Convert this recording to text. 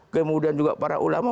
kemudian juga para ulama